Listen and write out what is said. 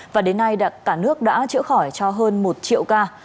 và đến nay cả nước đã chữa khỏi cho hơn một triệu ca